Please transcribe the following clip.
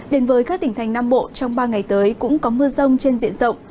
đến với các tỉnh thành nam bộ trong ba ngày tới cũng có mưa rông trên diện rộng